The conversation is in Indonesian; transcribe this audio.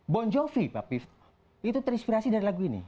bon jovi tapi itu terinspirasi dari lagu ini